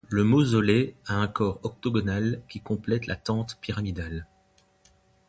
Le mausolée a un corps octogonal qui complète la tente pyramidale.